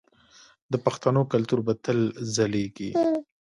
د پښتنو کلتور به تل ځلیږي.